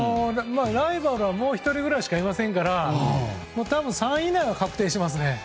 ライバルはもう１人ぐらいしかいませんから、多分３位以内は確定してますね。